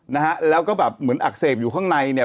นะฮะแล้วก็แบบเหมือนอักเสบอยู่ข้างในเนี่ย